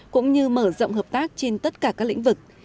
cũng như mở rộng hợp tác trên tất cả các lĩnh vực